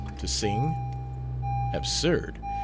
To sing? Absurd!